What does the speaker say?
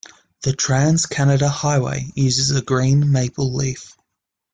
The Trans Canada Highway uses a green maple leaf.